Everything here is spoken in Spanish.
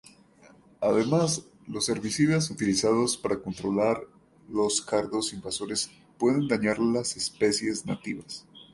Además, los herbicidas utilizados para controlar los cardos invasores pueden dañar las especies nativas.